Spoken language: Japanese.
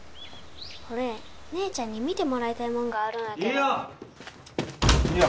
俺姉ちゃんに見てもらいたいもんがあるんやけど梨央！